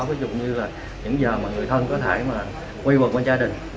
ví dụ như là những giờ mà người thân có thể mà quay vào con gia đình